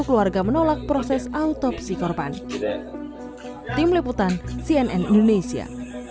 keluarga menolak proses autopsi korban tim liputan cnn indonesia